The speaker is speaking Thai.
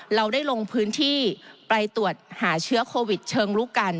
เราได้ลงพื้นที่ไปตรวจหาเชื้อโควิดเชิงลุกกัน